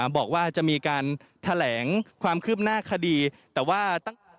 บอกว่าจะมีการแถลงความคืบหน้าคดีแต่ว่าตั้ง